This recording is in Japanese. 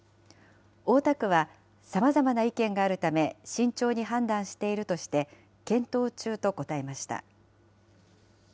大田区は、さまざまな意見があるため、慎重に判断しているとして、検討中と答えました。